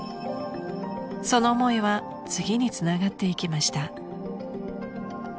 ［その思いは次につながっていきました］